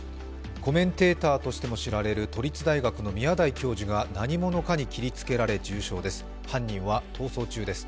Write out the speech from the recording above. コメンテーターとしても知られる都立大学教授の宮台真司教授が何者かに切りつけられ重傷です。